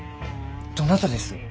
どなたです？